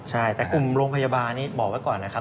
ใช่แต่กลุ่มโรงพยาบาลนี้บอกไว้ก่อนนะครับ